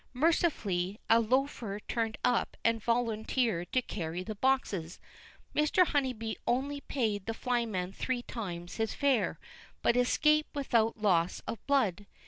Mercifully, a loafer turned up and volunteered to carry the boxes. Mr. Honeybee only paid the flyman three times his fare, but escaped without loss of blood.